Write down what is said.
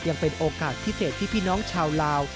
ยังเป็นโอกาสพิเศษที่พี่น้องชาวลาว